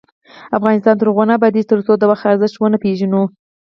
افغانستان تر هغو نه ابادیږي، ترڅو د وخت ارزښت ونه پیژنو.